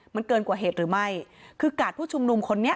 มันเกินกว่าเหตุหรือไม่คือกาดผู้ชุมนุมคนนี้